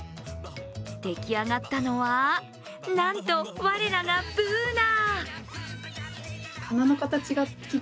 出来上がったのはなんと、我らがＢｏｏｎａ！